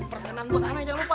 persenan buat ane jangan lupa